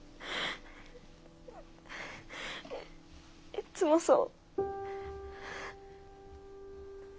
いっつもそう。